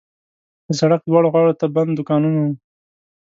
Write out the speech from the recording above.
د سړک دواړو غاړو ته بند دوکانونه وو.